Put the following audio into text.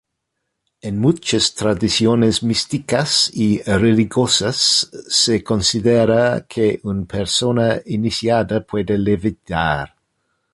En muchas tradiciones místicas y religiosas, se considera que una persona "iniciada" puede levitar.